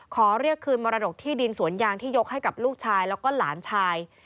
ขอเรียกคืนมรดกที่ดินสวนยางที่ยกให้กับลูกชายแล้วก็หลานชาย